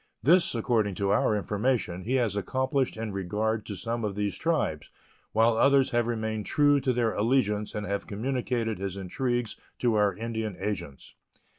This, according to our information, he has accomplished in regard to some of these tribes, while others have remained true to their allegiance and have communicated his intrigues to our Indian agents.